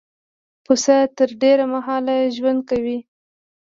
پسه تر ډېره مهاله ژوند کوي.